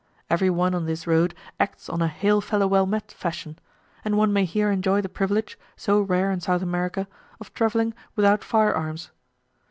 Every one on this road acts on a "hail fellow well met" fashion; and one may here enjoy the privilege, so rare in South America, of travelling without fire arms.